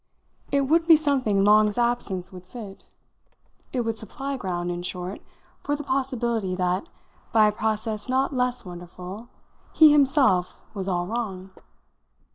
It would be something Long's absence would fit. It would supply ground, in short, for the possibility that, by a process not less wonderful, he himself was all wrong.